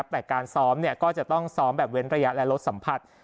แต่การซ้อมก็จะต้องซ้อมแบบเว้นระยะและลดสัมผัส